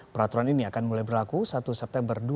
peraturan ini akan mulai berlaku satu september dua ribu dua puluh